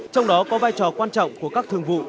trong đó có vai trò quan trọng của các thương vụ